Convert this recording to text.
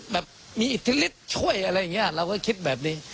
แบบมีอิทธิฤทธิ์ช่วยอะไรอย่างนี้เราก็คิดแบบนี้